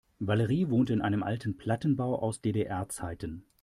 Valerie wohnt in einem alten Plattenbau aus DDR-Zeiten.